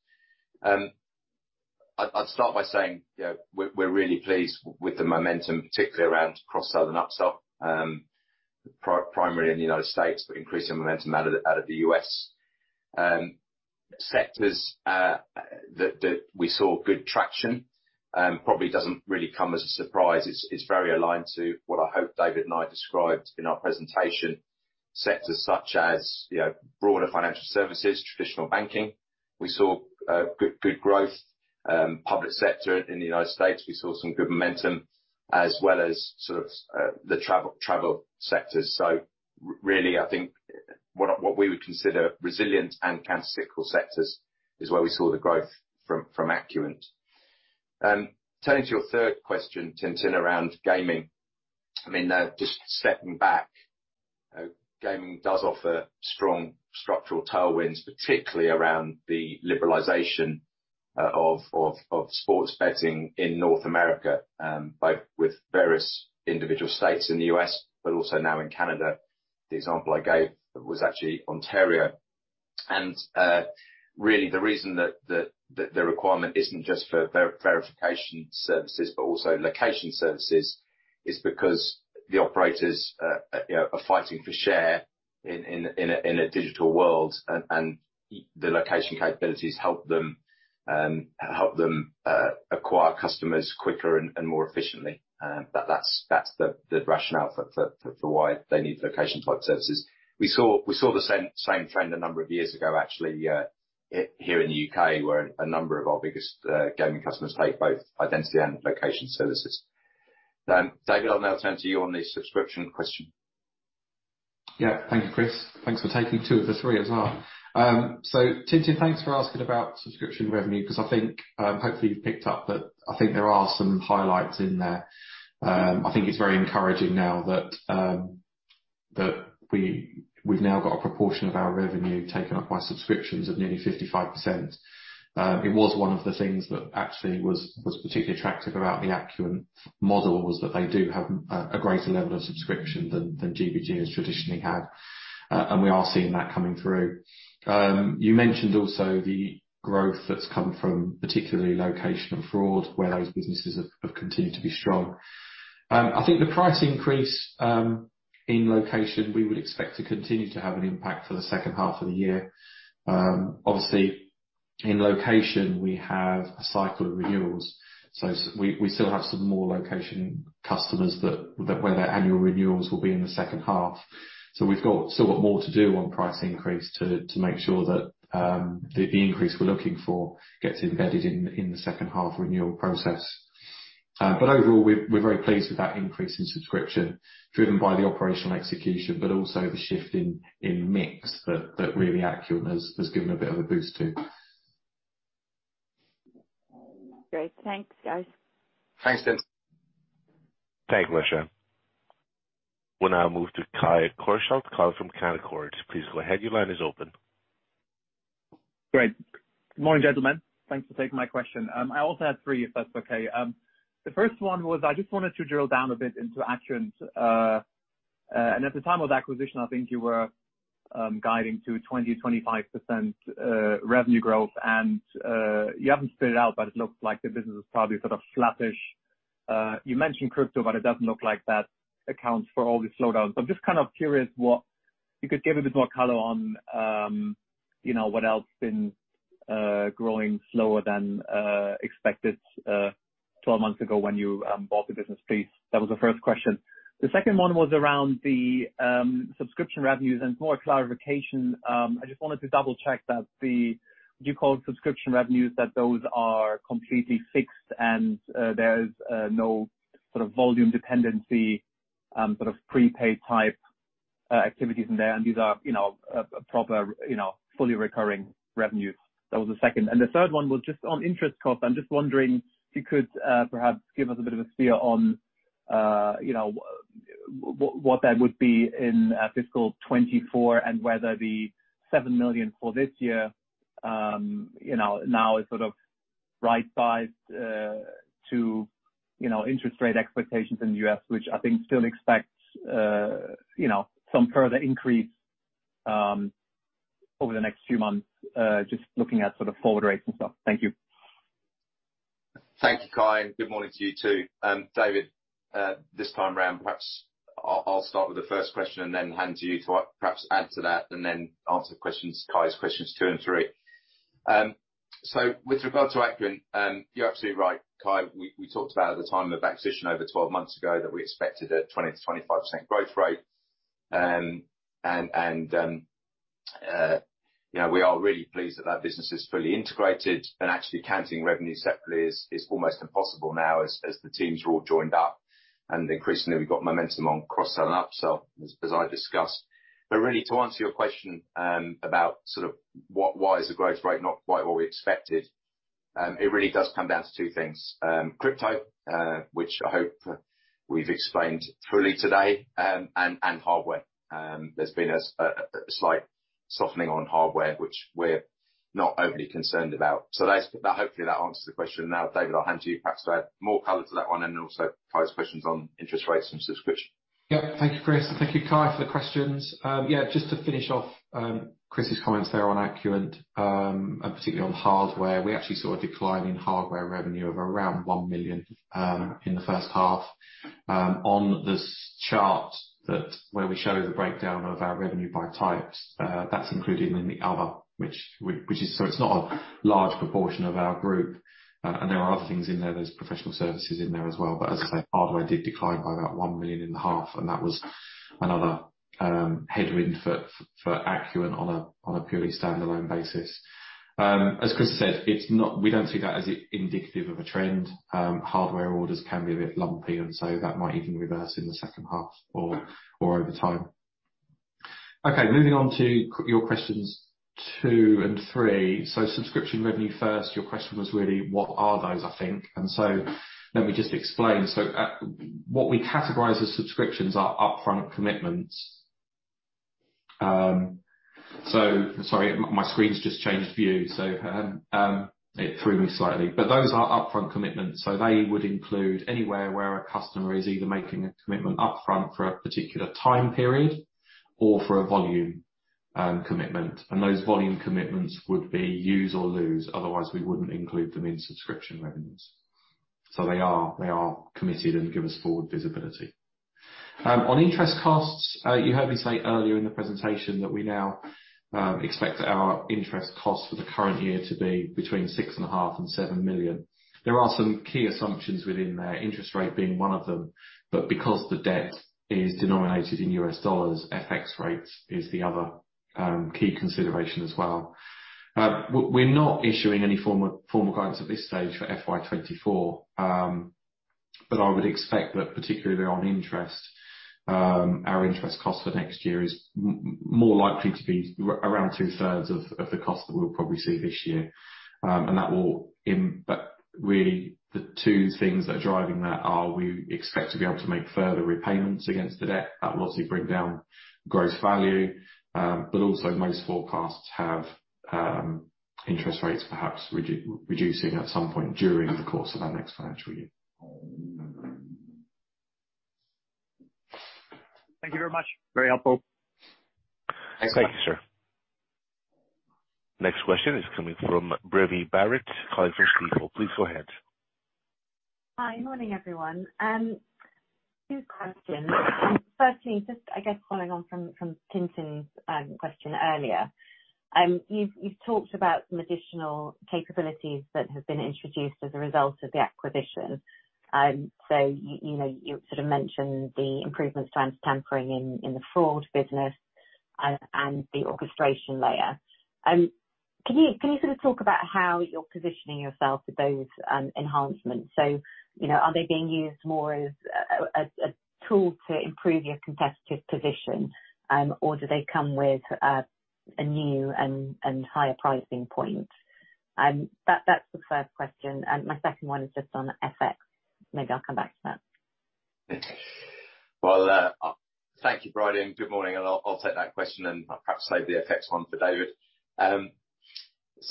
I'd start by saying, you know, we're really pleased with the momentum, particularly around cross-sell and upsell, primarily in the United States, but increasing momentum out of the U.S. Sectors that we saw good traction probably doesn't really come as a surprise. It's very aligned to what I hope David and I described in our presentation. Sectors such as, you know, broader financial services, traditional banking. We saw good growth. Public sector in the United States, we saw some good momentum. As well as sort of the travel sectors. Really, I think what we would consider resilient and countercyclical sectors is where we saw the growth from Acuant. Turning to your third question, Tintin Stormont, around gaming. I mean, just stepping back, gaming does offer strong structural tailwinds, particularly around the liberalization of sports betting in North America, both with various individual states in the US, but also now in Canada. The example I gave was actually Ontario. Really the reason that the requirement isn't just for verification services but also location services is because the operators, you know, are fighting for share in a digital world. The location capabilities help them help them acquire customers quicker and more efficiently. That's the rationale for why they need location type services. We saw the same trend a number of years ago, actually, here in the UK, where a number of our biggest gaming customers take both identity and location services. David, I'll now turn to you on the subscription question. Yeah. Thank you, Chris. Thanks for taking two of the three as well. Tintin Stormont, thanks for asking about subscription revenue, 'cause I think, hopefully you've picked up that I think there are some highlights in there. I think it's very encouraging now that we've now got a proportion of our revenue taken up by subscriptions of nearly 55%. It was one of the things that actually was particularly attractive about the Acuant model was that they do have a greater level of subscription than GBG has traditionally had. We are seeing that coming through. You mentioned also the growth that's come from particularly location and fraud, where those businesses have continued to be strong. I think the price increase, in Loqate, we would expect to continue to have an impact for the second half of the year. Obviously in Loqate we have a cycle of renewals. So we still have some more Loqate customers that, where their annual renewals will be in the second half. So we've got somewhat more to do on price increase to make sure that, the increase we're looking for gets embedded in the second half renewal process. But overall, we're very pleased with that increase in subscription driven by the operational execution, but also the shift in mix that really Acuant has given a bit of a boost to. Great. Thanks, guys. Thanks, Tintin Stormont. Thank you. We'll now move to Kai Korschelt calling from Canaccord. Please go ahead. Your line is open. Great. Morning, gentlemen. Thanks for taking my question. I also have three, if that's okay. The first one was I just wanted to drill down a bit into Acuant. At the time of acquisition, I think you were guiding to 20%-25% revenue growth. You haven't split it out, but it looks like the business is probably sort of flattish. You mentioned crypto, it doesn't look like that accounts for all the slowdown. I'm just kind of curious if you could give a bit more color on, you know, what else been growing slower than expected 12 months ago when you bought the business, please. That was the first question. The second one was around the subscription revenues, it's more a clarification. I just wanted to double check that the what you call subscription revenues, that those are completely fixed and there's no sort of volume dependency, sort of prepaid type activities in there, and these are a proper, fully recurring revenues. That was the second. The third one was just on interest cost. I'm just wondering if you could perhaps give us a bit of a steer on what that would be in fiscal 2024, and whether the 7 million for this year, now is sort of right sized to interest rate expectations in the U.S., which I think still expects some further increase over the next few months, just looking at sort of forward rates and stuff. Thank you. Thank you, Kai, and good morning to you too. David, this time round, perhaps I'll start with the first question and then hand to you to perhaps add to that, and then answer questions, Kai's questions two and three. With regard to Acuant, you're absolutely right, Kai. We talked about at the time of acquisition over 12 months ago that we expected a 20%-25% growth rate. you know, we are really pleased that that business is fully integrated and actually counting revenue separately is almost impossible now as the teams are all joined up. Increasingly, we've got momentum on cross-sell and upsell, as I discussed. Really to answer your question about sort of why is the growth rate not quite what we expected, it really does come down to two things, crypto, which I hope we've explained fully today, and hardware. There's been a slight softening on hardware, which we're not overly concerned about. Hopefully that answers the question. David, I'll hand to you perhaps to add more color to that one and also Kai's questions on interest rates and subscription. Yep. Thank you, Chris. Thank you, Kai, for the questions. Just to finish off Chris's comments there on Acuant, and particularly on hardware, we actually saw a decline in hardware revenue of around 1 million in the first half. On this chart where we show the breakdown of our revenue by types, that's included in the other. It's not a large proportion of our group. There are other things in there. There's professional services in there as well. As I say, hardware did decline by about 1 million in the half, and that was another headwind for Acuant on a purely standalone basis. As Chris said, we don't see that as indicative of a trend. Hardware orders can be a bit lumpy, that might even reverse in the second half or over time. Moving on to your questions two and three. Subscription revenue first, your question was really, what are those, I think. Let me just explain. What we categorize as subscriptions are upfront commitments. Sorry, my screen's just changed view, it threw me slightly. Those are upfront commitments. They would include anywhere where a customer is either making a commitment upfront for a particular time period or for a volume commitment. Those volume commitments would be use or lose, otherwise we wouldn't include them in subscription revenues. They are committed and give us forward visibility. On interest costs, you heard me say earlier in the presentation that we now expect our interest costs for the current year to be between 6.5 million and 7 million. There are some key assumptions within there, interest rate being one of them. Because the debt is denominated in USD, FX rates is the other key consideration as well. We're not issuing any formal guidance at this stage for FY 2024, but I would expect that particularly on interest, our interest cost for next year is more likely to be around two-thirds of the cost that we'll probably see this year. Really the two things that are driving that are we expect to be able to make further repayments against the debt. That will obviously bring down gross value. Also most forecasts have interest rates perhaps reducing at some point during the course of our next financial year. Thank you very much. Very helpful. Thank you. Thank you, sir. Next question is coming from Bryony Barrett calling from Kepler Cheuvreux. Please go ahead. Hi. Morning, everyone. Two questions. Firstly, just I guess following on from Tintin's question earlier, you've talked about some additional capabilities that have been introduced as a result of the acquisition. You know, you sort of mentioned the improvements to anti-tampering in the fraud business and the orchestration layer. Can you sort of talk about how you're positioning yourself with those enhancements? You know, are they being used more as a tool to improve your competitive position, or do they come with a new and higher pricing point? That's the first question, and my second one is just on FX. Maybe I'll come back to that. Well, thank you, Bryony, and good morning, and I'll take that question and perhaps save the FX one for David.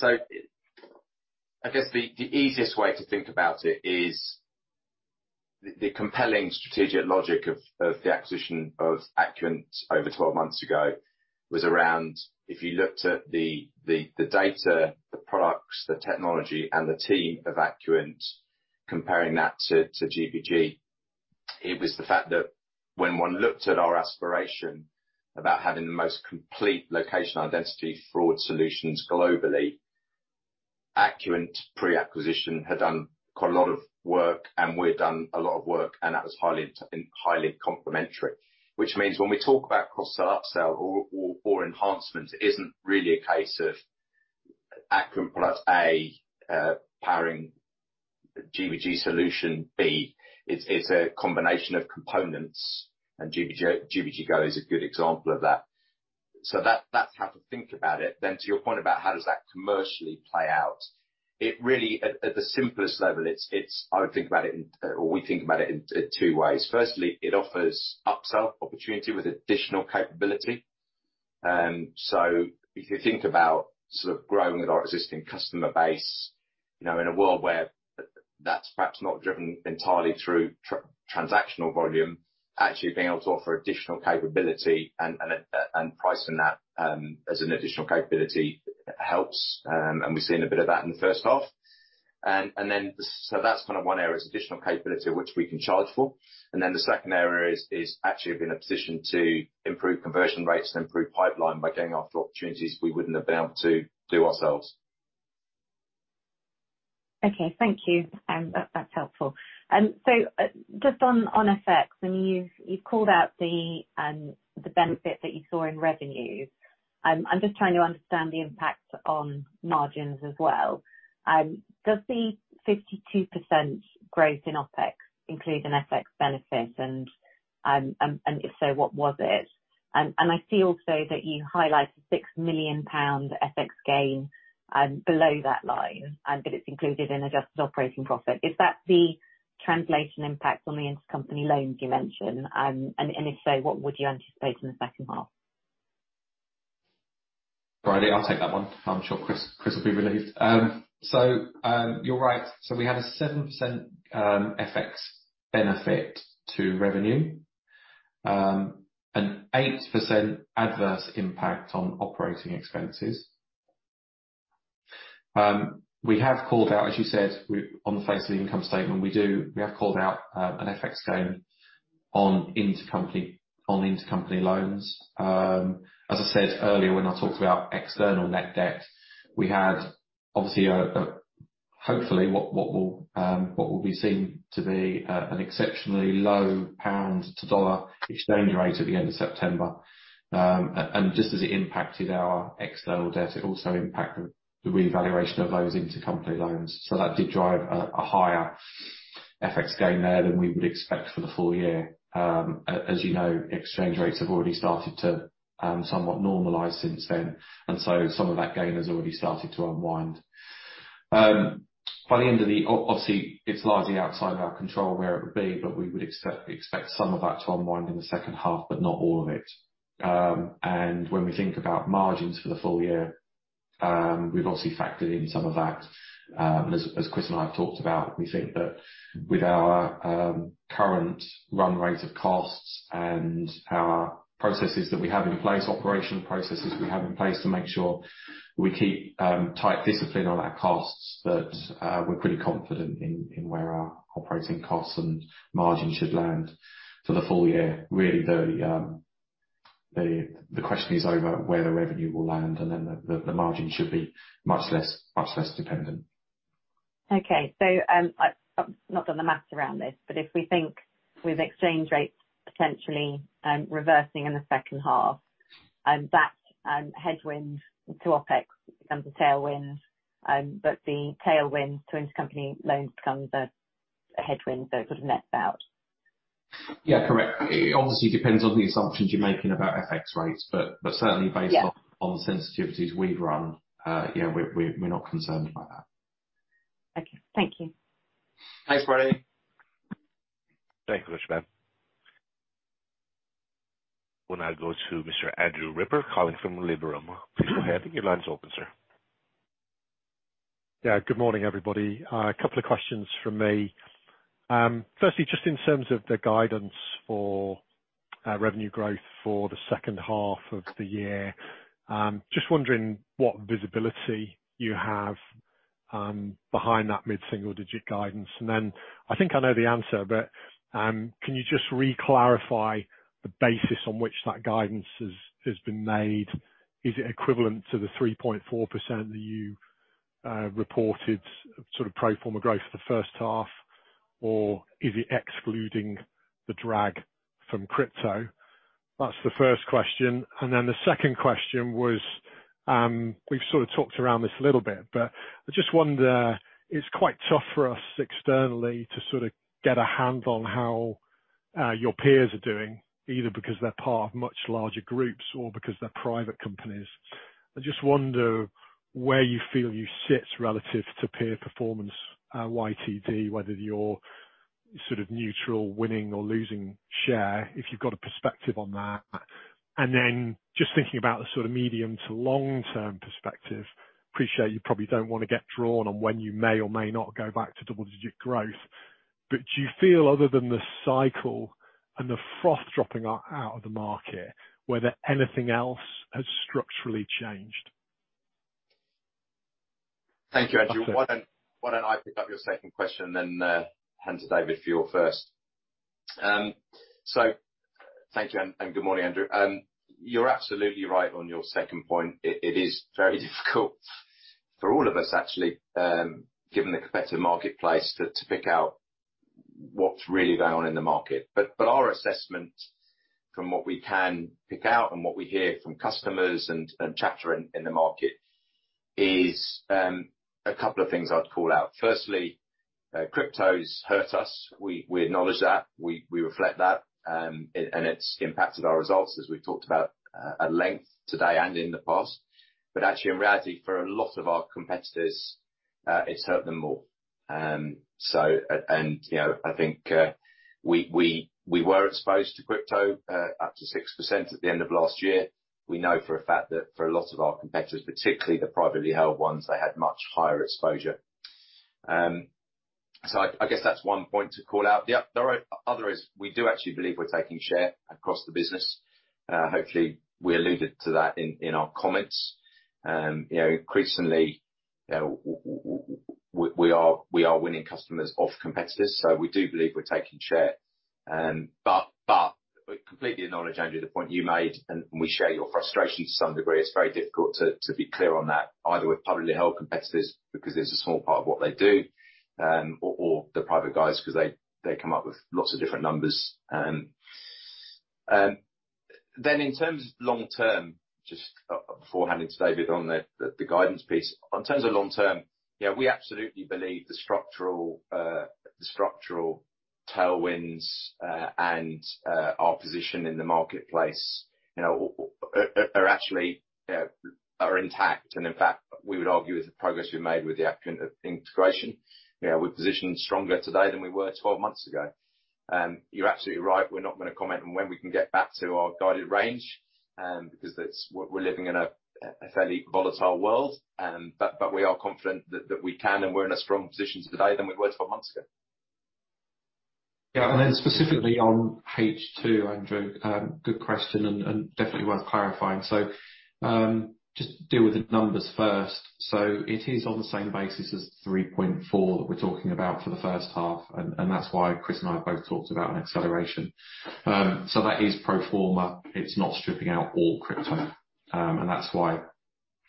I guess the easiest way to think about it is the compelling strategic logic of the acquisition of Acuant over 12 months ago was around, if you looked at the data, the products, the technology, and the team of Acuant, comparing that to GBG, it was the fact that when one looked at our aspiration about having the most complete location identity fraud solutions globally, Acuant pre-acquisition had done quite a lot of work and we'd done a lot of work, and that was highly complementary. Which means when we talk about cross-sell, upsell or enhancements, it isn't really a case of Acuant product A, powering GBG solution B. It's a combination of components, and GBG Go is a good example of that. That, that's how to think about it. To your point about how does that commercially play out, it really at the simplest level, I would think about it in, or we think about it in two ways. Firstly, it offers upsell opportunity with additional capability. If you think about sort of growing with our existing customer base, you know, in a world where that's perhaps not driven entirely through transactional volume, actually being able to offer additional capability and pricing that as an additional capability helps, and we've seen a bit of that in the first half. Then that's kind of one area is additional capability which we can charge for. The second area is actually being in a position to improve conversion rates and improve pipeline by going after opportunities we wouldn't have been able to do ourselves. Okay. Thank you. That's helpful. Just on FX, I mean, you've called out the benefit that you saw in revenue. I'm just trying to understand the impact on margins as well. Does the 52% growth in OpEx include an FX benefit? If so, what was it? I see also that you highlighted 6 million pounds FX gain below that line, but it's included in adjusted operating profit. Is that the translation impact on the intercompany loans you mentioned? If so, what would you anticipate in the second half? Bryony, I'll take that one. I'm sure Chris will be relieved. You're right. We have a 7% FX benefit to revenue, an 8% adverse impact on operating expenses. We have called out, as you said, on the face of the income statement, we have called out an FX gain on intercompany loans. As I said earlier when I talked about external net debt, we had obviously a hopefully what will be seen to be an exceptionally low GBP to USD exchange rate at the end of September. And just as it impacted our external debt, it also impacted the revaluation of those intercompany loans. That did drive a higher FX gain there than we would expect for the full year. As you know, exchange rates have already started to somewhat normalize since then, some of that gain has already started to unwind. By the end of the year, obviously it's largely outside our control where it would be, we would expect some of that to unwind in the second half, but not all of it. When we think about margins for the full year, we've obviously factored in some of that. As Chris and I have talked about, we think that with our current run rate of costs and our processes that we have in place, operational processes we have in place to make sure we keep tight discipline on our costs, that we're pretty confident in where our operating costs and margins should land for the full year. Really the question is over where the revenue will land and then the margin should be much less dependent. Okay. I've not done the math around this, but if we think with exchange rates potentially reversing in the second half, that headwind to OpEx becomes a tailwind, but the tailwind to intercompany loans becomes a headwind, so it sort of nets out. Yeah, correct. It obviously depends on the assumptions you're making about FX rates, but certainly based on- Yeah. On the sensitivities we've run, yeah, we're not concerned about that. Okay. Thank you. Thanks, Bryony. Thank you very much, ma'am. We'll now go to Mr. Andrew Ripper calling from Liberum. Please go ahead. Your line's open, sir. Yeah. Good morning, everybody. A couple of questions from me. Firstly, just in terms of the guidance for revenue growth for the second half of the year, just wondering what visibility you have behind that mid-single digit guidance. I think I know the answer, but, can you just re-clarify the basis on which that guidance has been made? Is it equivalent to the 3.4% that you reported sort of pro forma growth for the first half, or is it excluding the drag from crypto? That's the first question. The second question was, we've sort of talked around this a little bit, but I just wonder, it's quite tough for us externally to sort of get a handle on how your peers are doing, either because they're part of much larger groups or because they're private companies. I just wonder where you feel you sit relative to peer performance, YTD, whether you're sort of neutral, winning or losing share, if you've got a perspective on that. Just thinking about the sort of medium to long-term perspective, appreciate you probably don't want to get drawn on when you may or may not go back to double-digit growth, but do you feel other than the cycle and the froth dropping out of the market, whether anything else has structurally changed? Thank you, Andrew. Why don't I pick up your second question, then hand to David for your first. Thank you and good morning, Andrew. You're absolutely right on your second point. It is very difficult for all of us, actually, given the competitive marketplace, to pick out what's really going on in the market. Our assessment from what we can pick out and what we hear from customers and chatter in the market Is a couple of things I'd call out. Firstly, cryptos hurt us. We acknowledge that. We reflect that. It's impacted our results, as we've talked about at length today and in the past. Actually, in reality, for a lot of our competitors, it's hurt them more. You know, I think, we were exposed to crypto up to 6% at the end of last year. We know for a fact that for a lot of our competitors, particularly the privately held ones, they had much higher exposure. I guess that's one point to call out. The other is we do actually believe we're taking share across the business. Hopefully, we alluded to that in our comments. You know, increasingly, you know, we are winning customers off competitors, so we do believe we're taking share. We completely acknowledge, Andrew, the point you made, and we share your frustration to some degree. It's very difficult to be clear on that, either with publicly held competitors, because this is a small part of what they do, or the private guys, 'cause they come up with lots of different numbers. In terms of long term, just before handing to David on the guidance piece. In terms of long term, you know, we absolutely believe the structural, the structural tailwinds, and our position in the marketplace, you know, are actually intact. In fact, we would argue with the progress we've made with the Appian integration, you know, we're positioned stronger today than we were 12 months ago. You're absolutely right. We're not gonna comment on when we can get back to our guided range, because we're living in a fairly volatile world. We are confident that we can, and we're in a strong position today than we were 12 months ago. Yeah. Specifically on H2, Andrew, good question, and definitely worth clarifying. Just deal with the numbers first. It is on the same basis as 3.4 that we're talking about for the first half, and that's why Chris and I have both talked about an acceleration. That is pro forma. It's not stripping out all crypto. And that's why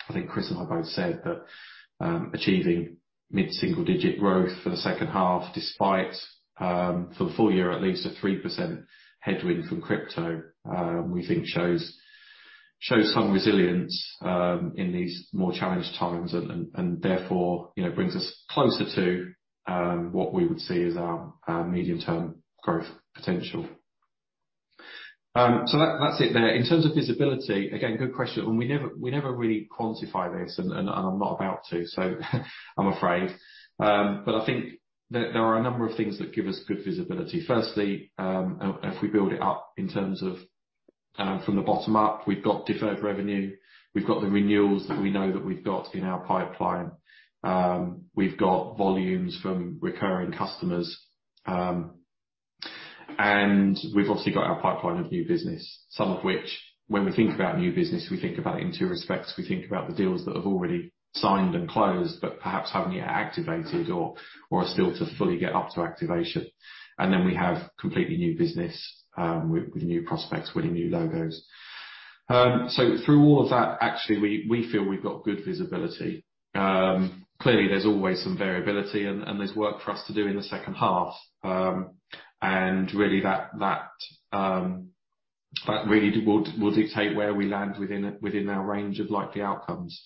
I think Chris and I both said that, achieving mid-single digit growth for the second half, despite for the full year at least, a 3% headwind from crypto, we think shows some resilience in these more challenged times and therefore, you know, brings us closer to what we would see as our medium-term growth potential. That's it there. In terms of visibility, again, good question. We never really quantify this, and I'm not about to, so I'm afraid. I think there are a number of things that give us good visibility. Firstly, if we build it up in terms of from the bottom up, we've got deferred revenue, we've got the renewals that we know that we've got in our pipeline, we've got volumes from recurring customers, and we've obviously got our pipeline of new business. Some of which, when we think about new business, we think about it in two respects. We think about the deals that have already signed and closed, but perhaps haven't yet activated or are still to fully get up to activation. We have completely new business with new prospects, winning new logos. Through all of that, actually we feel we've got good visibility. Clearly there's always some variability and there's work for us to do in the second half. Really that really will dictate where we land within our range of likely outcomes.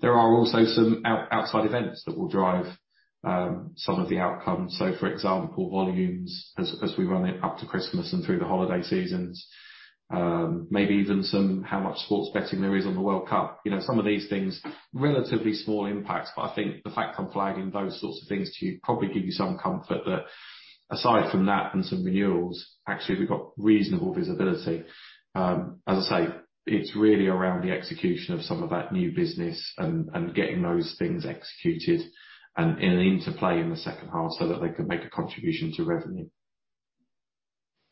There are also some outside events that will drive some of the outcomes. For example, volumes as we run it up to Christmas and through the holiday seasons, maybe even some how much sports betting there is on the World Cup. You know, some of these things, relatively small impacts, but I think the fact I'm flagging those sorts of things to you probably give you some comfort that aside from that and some renewals, actually we've got reasonable visibility. As I say, it's really around the execution of some of that new business and getting those things executed and in interplay in the second half so that they can make a contribution to revenue.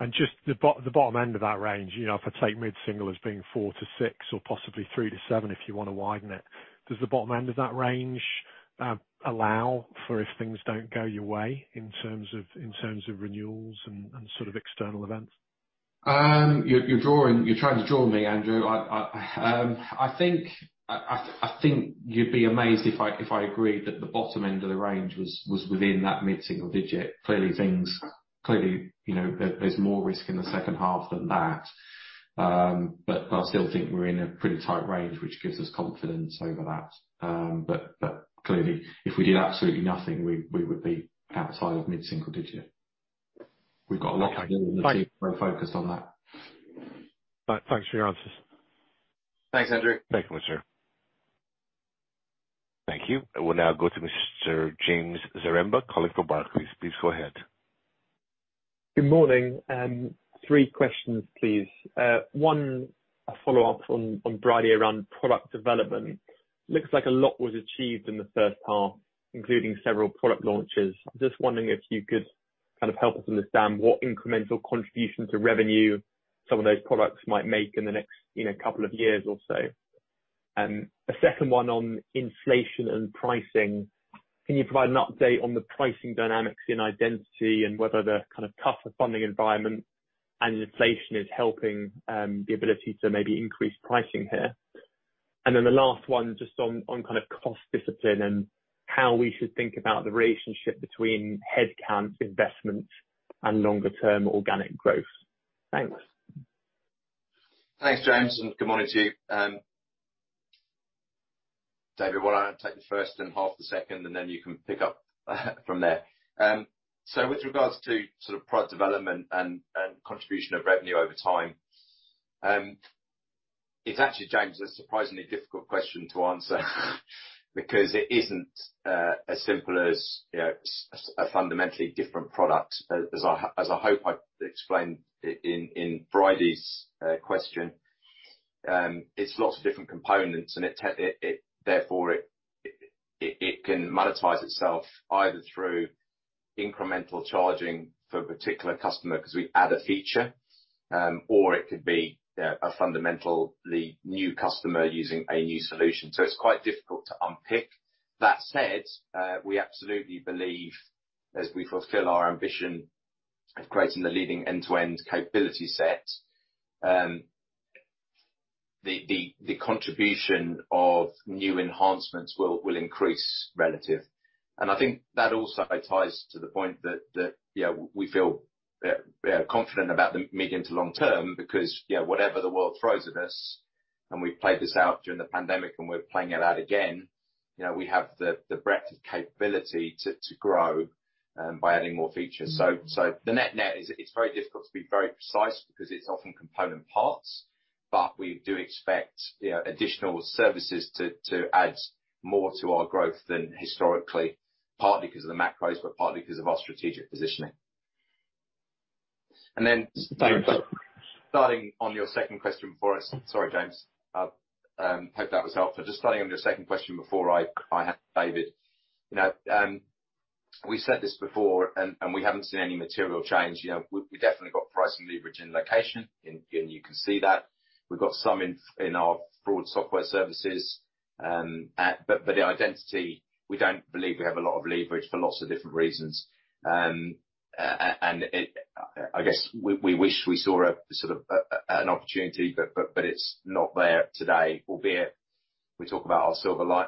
Just the bottom end of that range, you know, if I take mid single as being four-six or possibly three-seven if you wanna widen it, does the bottom end of that range allow for if things don't go your way in terms of renewals and sort of external events? You're trying to draw me, Andrew. I think you'd be amazed if I agreed that the bottom end of the range was within that mid-single digit. Clearly, you know, there's more risk in the second half than that. I still think we're in a pretty tight range, which gives us confidence over that. Clearly, if we did absolutely nothing, we would be outside of mid-single digit. We've got a lot to do. Okay. The team are focused on that. Right. Thanks for your answers. Thanks, Andrew. Thank you, sir. Thank you. We'll now go to Mr. James Zaremba, colleague from Barclays. Please go ahead. Good morning. Three questions, please. One, a follow-up on Bryony around product development. Looks like a lot was achieved in the first half, including several product launches. Just wondering if you could kind of help us understand what incremental contribution to revenue some of those products might make in the next, you know, couple of years or so. A second one on inflation and pricing. Can you provide an update on the pricing dynamics in Identity and whether the kind of tougher funding environment and inflation is helping the ability to maybe increase pricing here? The last one, just on kind of cost discipline and how we should think about the relationship between headcount, investment and longer term organic growth. Thanks. Thanks, James. Good morning to you. David, why don't I take the first and half the second, and then you can pick up from there. With regards to sort of product development and contribution of revenue over time, it's actually, James, a surprisingly difficult question to answer because it isn't as simple as, you know, a fundamentally different product, as I hope I explained in Bryonyquestion. It's lots of different components, and it, therefore it can monetize itself either through incremental charging for a particular customer 'cause we add a feature, or it could be, you know, a fundamentally new customer using a new solution. It's quite difficult to unpick. That said, we absolutely believe, as we fulfill our ambition of creating the leading end-to-end capability set, the contribution of new enhancements will increase relative. I think that also ties to the point that, you know, we feel confident about the medium to long term because, you know, whatever the world throws at us, and we played this out during the pandemic, and we're playing it out again, you know, we have the breadth of capability to grow by adding more features. The net-net is it's very difficult to be very precise because it's often component parts, but we do expect, you know, additional services to add more to our growth than historically, partly because of the macros, but partly because of our strategic positioning. James, starting on your second question for us... Sorry, James. Hope that was helpful. Just starting on your second question before I hand to David. You know, we've said this before and we haven't seen any material change. You know, we definitely got pricing leverage in Location and you can see that. We've got some in our broad software services. In Identity, we don't believe we have a lot of leverage for lots of different reasons. I guess we wish we saw a sort of an opportunity, but it's not there today, albeit we talk about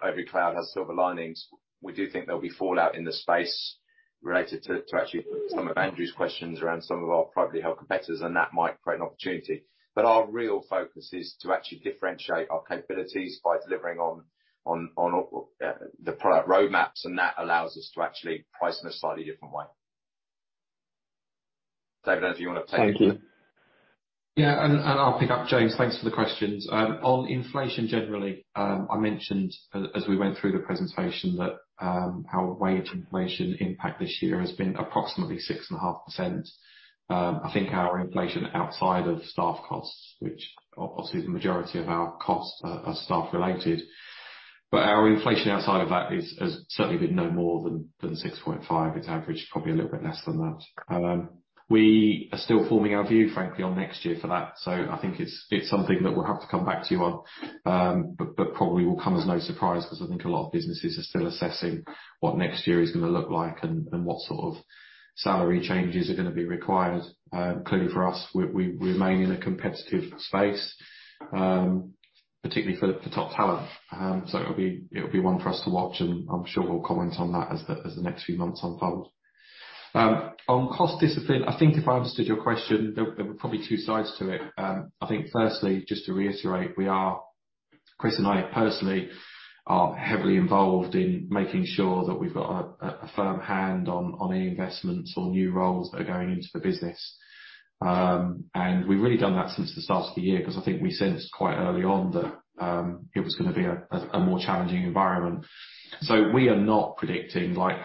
every cloud has silver linings. We do think there'll be fallout in the space related to actually some of Andrew's questions around some of our privately held competitors, and that might create an opportunity. Our real focus is to actually differentiate our capabilities by delivering on the product roadmaps, and that allows us to actually price in a slightly different way. David, as you wanna take that? Thank you. Yeah. I'll pick up, James. Thanks for the questions. On inflation generally, I mentioned as we went through the presentation that our wage inflation impact this year has been approximately 6.5%. I think our inflation outside of staff costs, which obviously the majority of our costs are staff-related, our inflation outside of that has certainly been no more than 6.5%. It's averaged probably a little bit less than that. We are still forming our view, frankly, on next year for that, I think it's something that we'll have to come back to you on. Probably will come as no surprise because I think a lot of businesses are still assessing what next year is going to look like and what sort of salary changes are going to be required. Clearly for us, we remain in a competitive space, particularly for the top talent. It will be one for us to watch, and I am sure we will comment on that as the next few months unfold. On cost discipline, I think if I understood your question, there were probably two sides to it. I think firstly, just to reiterate, Chris and I personally are heavily involved in making sure that we have got a firm hand on any investments or new roles that are going into the business. We've really done that since the start of the year 'cause I think we sensed quite early on that it was gonna be a more challenging environment. We are not predicting, like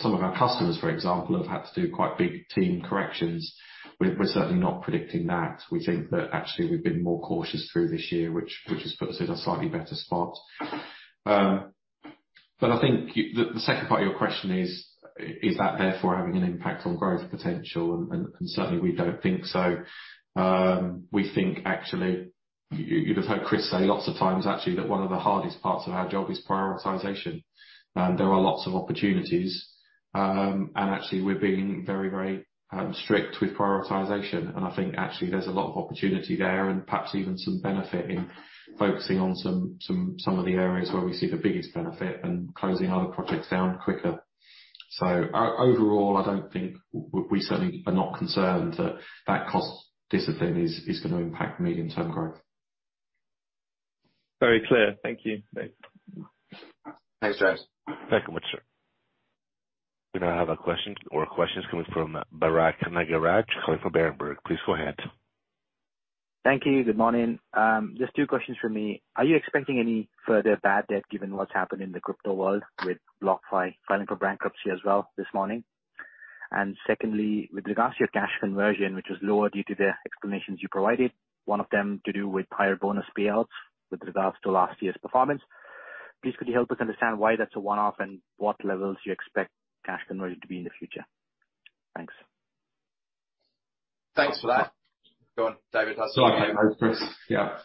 some of our customers, for example, have had to do quite big team corrections. We're certainly not predicting that. We think that actually we've been more cautious through this year, which has put us in a slightly better spot. I think the second part of your question is that therefore having an impact on growth potential? Certainly we don't think so. We think actually. You've heard Chris say lots of times actually that one of the hardest parts of our job is prioritization. There are lots of opportunities, actually we're being very strict with prioritization. I think actually there's a lot of opportunity there and perhaps even some benefit in focusing on some of the areas where we see the biggest benefit and closing other projects down quicker. Overall, we certainly are not concerned that that cost discipline is gonna impact medium-term growth. Very clear. Thank you. Thanks. Thanks, James. Thank you much, sir. We now have a question or questions coming from Bharath Nagaraj calling from Berenberg. Please go ahead. Thank you. Good morning. Just two questions from me. Are you expecting any further bad debt given what's happened in the crypto world with BlockFi filing for bankruptcy as well this morning? Secondly, with regards to your cash conversion, which was lower due to the explanations you provided, one of them to do with higher bonus payouts with regards to last year's performance, please could you help us understand why that's a one-off and what levels you expect cash conversion to be in the future? Thanks. Thanks for that. Go on, David. Sorry. Chris. Yeah.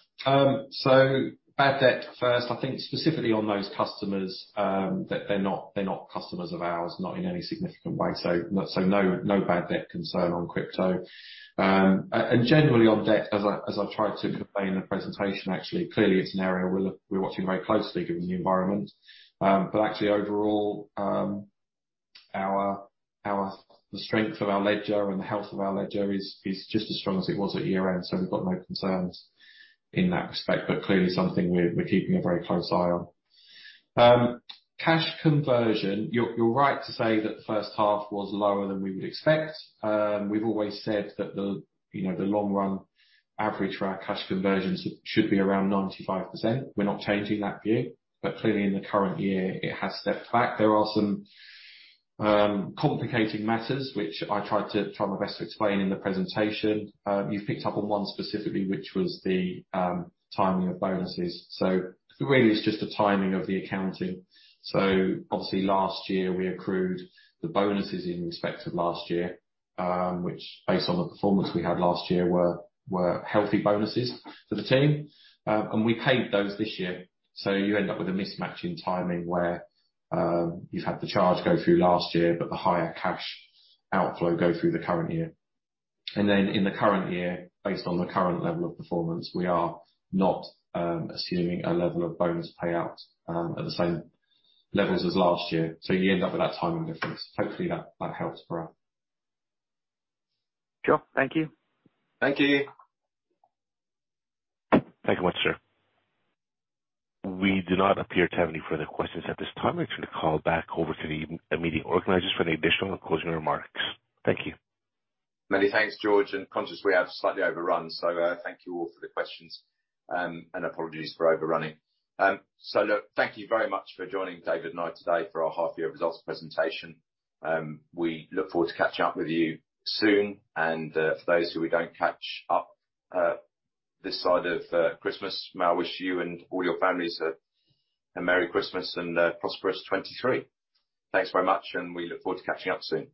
Bad debt first, I think specifically on those customers, they're not customers of ours, not in any significant way, no bad debt concern on crypto. Generally on debt, as I tried to convey in the presentation actually, clearly it's an area we're watching very closely given the environment. Actually overall, the strength of our ledger and the health of our ledger is just as strong as it was at year-end, we've got no concerns in that respect, clearly something we're keeping a very close eye on. Cash conversion, you're right to say that the first half was lower than we would expect. We've always said that the, you know, the long run average for our cash conversions should be around 95%. We're not changing that view, but clearly in the current year it has stepped back. There are some complicating matters which I tried to try my best to explain in the presentation. You've picked up on one specifically, which was the timing of bonuses. Really it's just the timing of the accounting. Obviously last year we accrued the bonuses in respect of last year, which based on the performance we had last year were healthy bonuses for the team. And we paid those this year. You end up with a mismatch in timing where you've had the charge go through last year, but the higher cash outflow go through the current year. In the current year, based on the current level of performance, we are not assuming a level of bonus payout at the same levels as last year. You end up with that timing difference. Hopefully that helps, Bharath. Sure. Thank you. Thank you. Thank you much, sir. We do not appear to have any further questions at this time. I'll turn the call back over to the meeting organizers for any additional closing remarks. Thank you. Many thanks, George. Conscious we have slightly overrun, so thank you all for the questions and apologies for overrunning. Look, thank you very much for joining David and I today for our half year results presentation. We look forward to catching up with you soon. For those who we don't catch up this side of Christmas, may I wish you and all your families a merry Christmas and a prosperous 2023. Thanks very much, and we look forward to catching up soon.